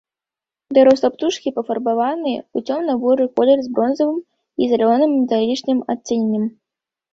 Дарослыя птушкі пафарбаваны ў цёмна-буры колер з бронзавым і зялёным металічным адценнем.